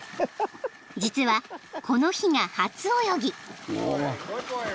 ［実はこの日が初泳ぎ］